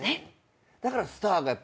だから。